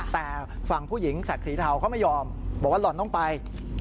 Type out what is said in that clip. แต่ฝั่งผู้หญิงแสกสีเทาเขาไม่ยอมบอกว่าหล่อนต้องไป